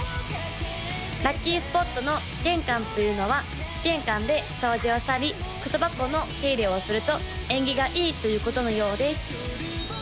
・ラッキースポットの玄関というのは玄関で掃除をしたり靴箱の手入れをすると縁起がいいということのようです